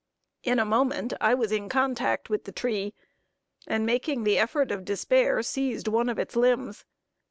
In a moment I was in contact with the tree, and making the effort of despair, seized one of its limbs.